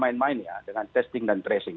mungkin juga main main ya dengan testing dan tracing